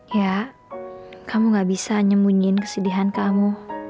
ya kamu gak bisa nyembunyiin kesedihan kamu